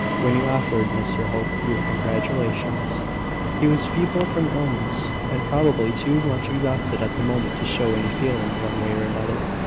When you offered Mr Hope your congratulations, he was feeble from illness, and probably too much exhausted at the moment to show any feeling, one way or another.